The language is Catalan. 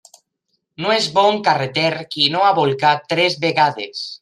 No és bon carreter qui no ha bolcat tres vegades.